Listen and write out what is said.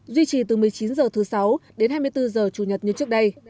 duy trì từ một mươi chín h thứ sáu đến hai mươi bốn h chủ nhật như trước đây